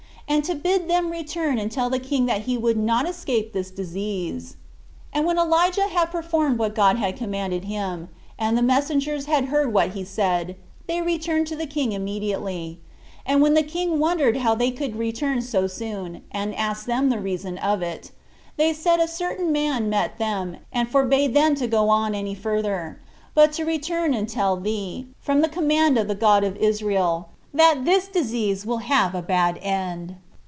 and to bid them return and tell the king that he would not escape this disease. And when Elijah had performed what God had commanded him, and the messengers had heard what he said, they returned to the king immediately; and when the king wondered how they could return so soon, and asked them the reason of it, they said that a certain man met them, and forbade them to go on any farther; but to return and tell thee, from the command of the God of Israel, that this disease will have a bad end.